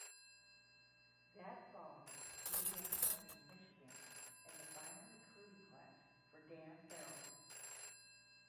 That fall he began attending Michigan in the final recruiting class for Dan Farrell.